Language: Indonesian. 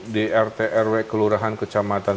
di rt rw kelurahan kecamatan